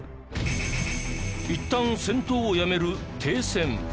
いったん戦闘をやめる停戦。